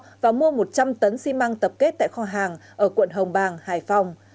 họ đặt khách sạn thuê xe phiên dịch thuê kho và mua một trăm linh tấn xi măng tập kết tại kho hàng ở quận hồng bàng hải phòng